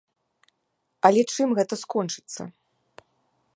Але чым гэта скончыцца?